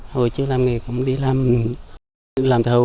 hồi trước làm nghề cũng đi làm thầu